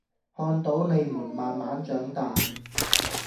看到你們慢慢長大